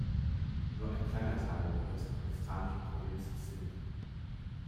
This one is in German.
Nur ein kleiner Teil gehört zur pakistanischen Provinz Sindh.